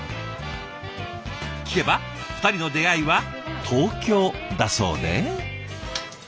聞けば二人の出会いは東京だそうで。